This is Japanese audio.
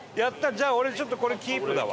じゃあ俺ちょっとこれキープだわ。